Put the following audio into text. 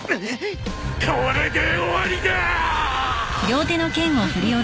これで終わりだ！